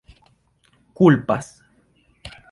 kulpas